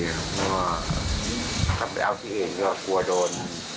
เพราะว่าถ้าไปเอาที่อื่นก็กลัวโดน